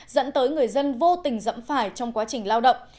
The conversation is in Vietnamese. dẫn tới người dân vô tình dẫm phải trong quá trình lao động